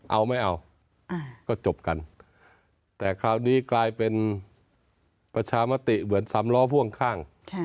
เอาไม่เอาก็จบกันแต่คราวนี้กลายเป็นประชามติเหมือนสำล้อพ่วงข้าง